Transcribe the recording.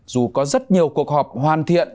dù có rất nhiều cuộc họp hoàn thiện